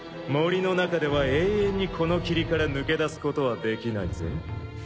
森の中では永遠にこの霧から抜け出すことはできないぜ。